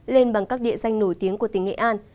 lên bằng các địa danh nổi tiếng của tỉnh nghệ an